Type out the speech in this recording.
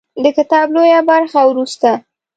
د کتاب لویه برخه وروسته